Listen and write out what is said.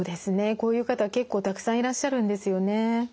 こういう方は結構たくさんいらっしゃるんですよね。